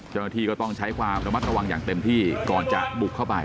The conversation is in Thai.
เจ้าหน้าที่ก็ต้องใช้ความระมัดระวังอย่างเต็มที่ก่อนจะบุกเข้าไป